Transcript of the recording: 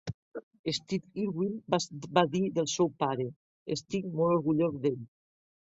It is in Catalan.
Steve Irwin va dir del seu pare: Estic molt orgullós d'ell.